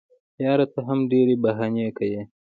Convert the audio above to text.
یاره ته هم ډېري بهانې کیې.